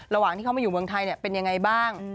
ระหว่างที่เขามาอยู่เมืองไทยเป็นยังไงบ้าง